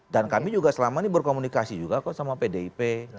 dan kami juga selama ini berkomunikasi juga kok sama pdip